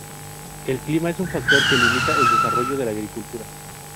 El clima es un factor que limita el desarrollo de la agricultura.